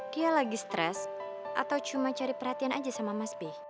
dia lagi stres atau cuma cari perhatian aja sama mas b